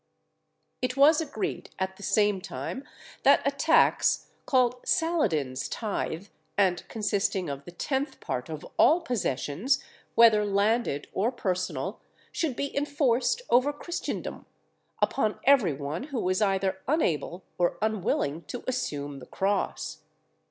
It was agreed at the same time that a tax, called Saladin's tithe, and consisting of the tenth part of all possessions, whether landed or personal, should be enforced over Christendom, upon every one who was either unable or unwilling to assume the cross.